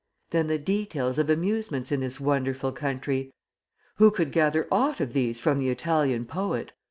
Then the details of amusements in this wonderful country who could gather aught of these from the Italian poet?